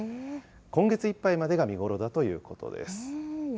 今月いっぱいまでが見頃だということです。